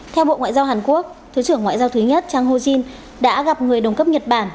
theo bộ ngoại giao hàn quốc thứ trưởng ngoại giao thứ nhất chang ho jin đã gặp người đồng cấp nhật bản